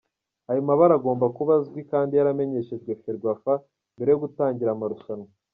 Ayo mabara agomba kuba azwi kandi yaramenyeshejwe Ferwafa mbere yo gutangira amarushanwa.